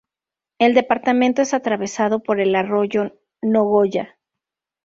El departamento es atravesado por el arroyo Nogoyá.